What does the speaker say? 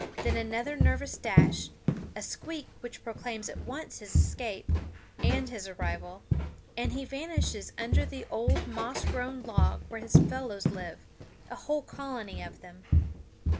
Then another nervous dash, a squeak which proclaims at once his escape, and his arrival, and he vanishes under the old moss grown log where his fellows live, a whole colony of them.